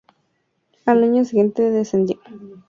Al año siguiente descendió.